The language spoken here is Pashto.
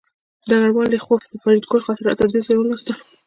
ډګروال لیاخوف د فریدګل خاطرات تر دې ځایه ولوستل